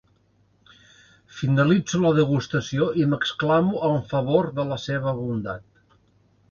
Finalitzo la degustació i m'exclamo en favor de la seva bondat.